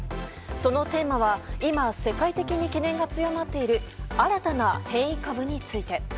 そのテーマは、今、世界的に懸念が強まっている新たな変異株について。